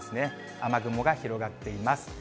雨雲が広がっています。